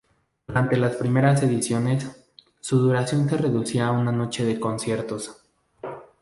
Durante las primeras ediciones, su duración se reducía a una noche de conciertos.